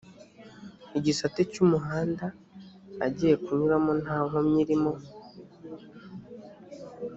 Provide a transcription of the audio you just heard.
igisate cy’umuhanda agiye kunyuramo nta nkomyi irimo